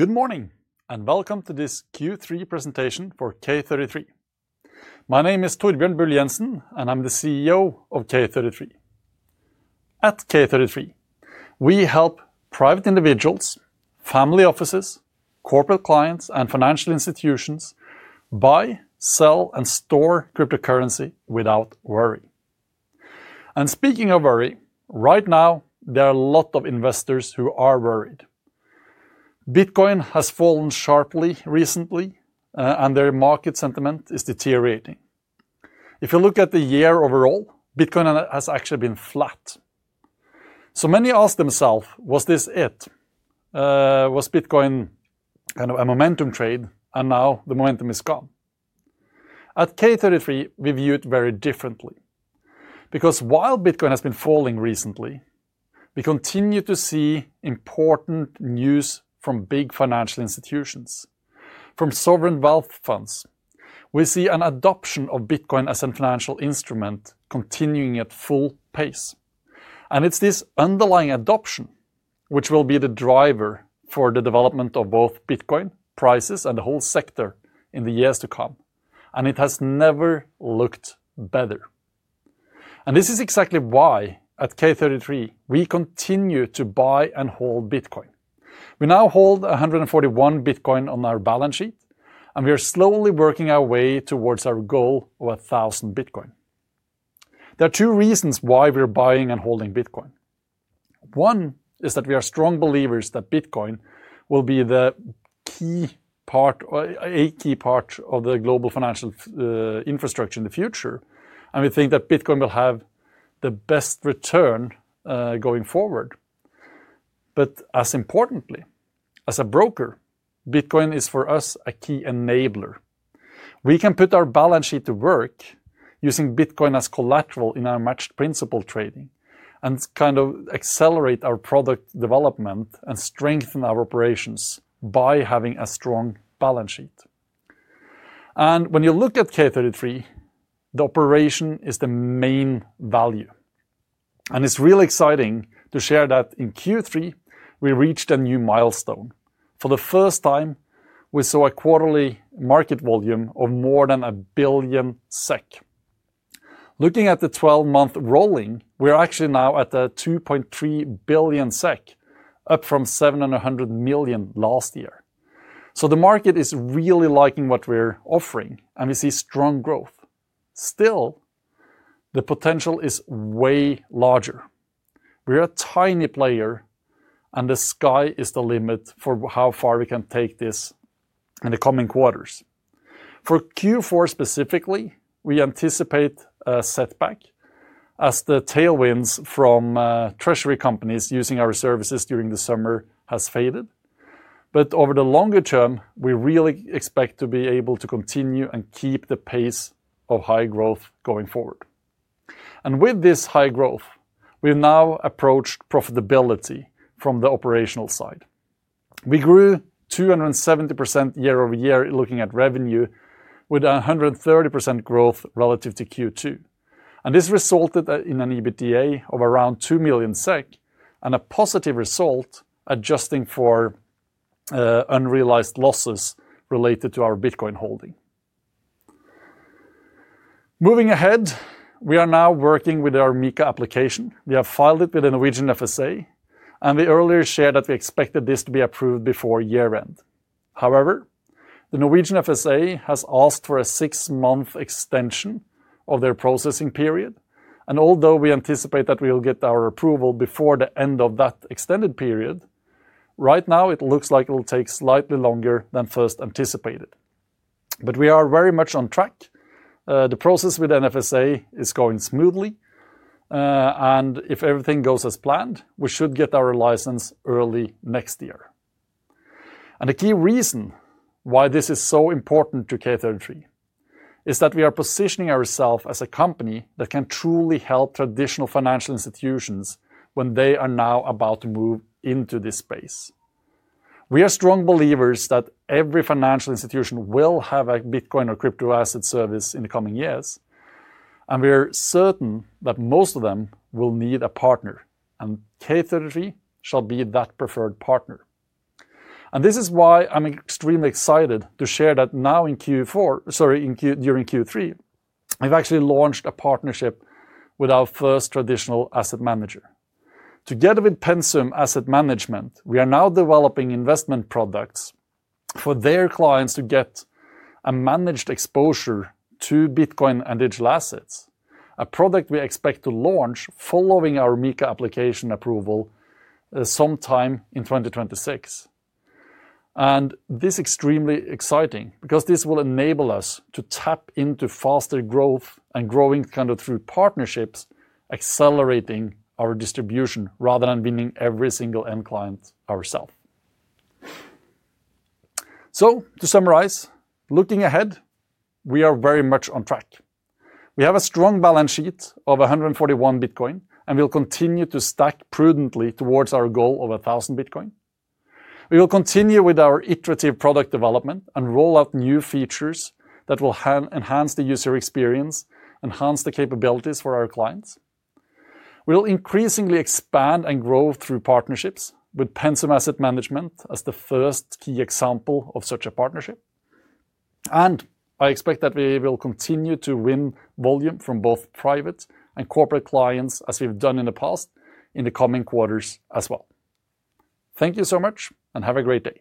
Good morning, and welcome to this Q3 presentation for K33. My name is Torbjørn Bull Jenssen, and I'm the CEO of K33. At K33, we help private individuals, family offices, corporate clients, and financial institutions buy, sell, and store cryptocurrency without worry. Speaking of worry, right now there are a lot of investors who are worried. Bitcoin has fallen sharply recently, and their market sentiment is deteriorating. If you look at the year overall, Bitcoin has actually been flat. Many ask themselves, was this it? Was Bitcoin kind of a momentum trade, and now the momentum is gone? At K33, we view it very differently. Because while Bitcoin has been falling recently, we continue to see important news from big financial institutions, from sovereign wealth funds. We see an adoption of Bitcoin as a financial instrument continuing at full pace. It is this underlying adoption which will be the driver for the development of both Bitcoin prices and the whole sector in the years to come. It has never looked better. This is exactly why at K33 we continue to buy and hold Bitcoin. We now hold 141 Bitcoin on our balance sheet, and we are slowly working our way towards our goal of 1,000 Bitcoin. There are two reasons why we are buying and holding Bitcoin. One is that we are strong believers that Bitcoin will be a key part of the global financial infrastructure in the future. We think that Bitcoin will have the best return going forward. As importantly, as a broker, Bitcoin is for us a key enabler. We can put our balance sheet to work using Bitcoin as collateral in our matched principal trading and kind of accelerate our product development and strengthen our operations by having a strong balance sheet. When you look at K33, the operation is the main value. It's really exciting to share that in Q3 we reached a new milestone. For the first time, we saw a quarterly market volume of more than 1 billion SEK. Looking at the 12-month rolling, we're actually now at 2.3 billion SEK, up from 700 million last year. The market is really liking what we're offering, and we see strong growth. Still, the potential is way larger. We're a tiny player, and the sky is the limit for how far we can take this in the coming quarters. For Q4 specifically, we anticipate a setback as the tailwinds from treasury companies using our services during the summer have faded. Over the longer term, we really expect to be able to continue and keep the pace of high growth going forward. With this high growth, we've now approached profitability from the operational side. We grew 270% year over year looking at revenue, with 130% growth relative to Q2. This resulted in an EBITDA of around 2 million SEK and a positive result, adjusting for unrealized losses related to our Bitcoin holding. Moving ahead, we are now working with our MiCA application. We have filed it with the Norwegian FSA, and we earlier shared that we expected this to be approved before year-end. However, the Norwegian FSA has asked for a six-month extension of their processing period. Although we anticipate that we will get our approval before the end of that extended period, right now it looks like it will take slightly longer than first anticipated. We are very much on track. The process with NFSA is going smoothly. If everything goes as planned, we should get our license early next year. The key reason why this is so important to K33 is that we are positioning ourselves as a company that can truly help traditional financial institutions when they are now about to move into this space. We are strong believers that every financial institution will have a Bitcoin or crypto asset service in the coming years. We are certain that most of them will need a partner. K33 shall be that preferred partner. This is why I'm extremely excited to share that now in Q4, sorry, during Q3, we've actually launched a partnership with our first traditional asset manager. Together with Pensum Asset Management, we are now developing investment products for their clients to get a managed exposure to Bitcoin and digital assets, a product we expect to launch following our MiCA application approval sometime in 2026. This is extremely exciting because this will enable us to tap into faster growth and growing kind of through partnerships, accelerating our distribution rather than winning every single end client ourselves. To summarize, looking ahead, we are very much on track. We have a strong balance sheet of 141 Bitcoin, and we'll continue to stack prudently towards our goal of 1,000 Bitcoin. We will continue with our iterative product development and roll out new features that will enhance the user experience, enhance the capabilities for our clients. We will increasingly expand and grow through partnerships with Pensum Asset Management as the first key example of such a partnership. I expect that we will continue to win volume from both private and corporate clients, as we've done in the past, in the coming quarters as well. Thank you so much, and have a great day.